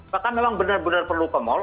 bahkan memang benar benar perlu ke mall